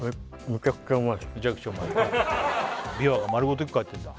びわが丸ごと１個入ってんだ